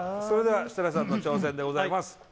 それでは設楽さんの挑戦でございます